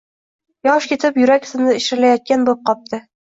Yosh ketib, yurak shirillaydigan bo‘pqopti-